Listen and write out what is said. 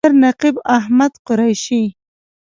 شاعر: نقیب احمد قریشي